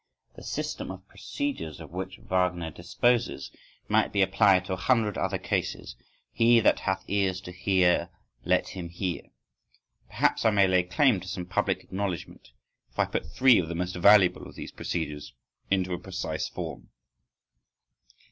The system of procedures of which Wagner disposes, might be applied to a hundred other cases,—he that hath ears to hear let him hear. Perhaps I may lay claim to some public acknowledgment, if I put three of the most valuable of these procedures into a precise form.